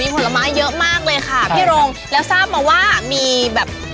ผลไม้เยอะมากเลยค่ะพี่โรงแล้วทราบมาว่ามีแบบ